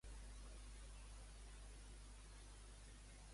Busca un algun acudit d'humor negre.